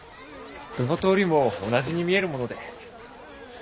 どの通りも同じに見えるもので。